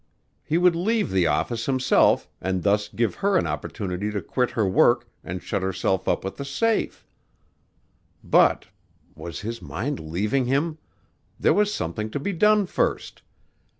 He would leave the office himself and thus give her an opportunity to quit her work and shut herself up with the safe. But (was his mind leaving him?) there was something to be done first.